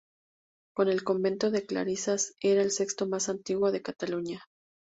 El convento de clarisas era el sexto más antiguo de Cataluña.